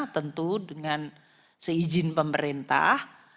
tentu dengan seijin pemerintah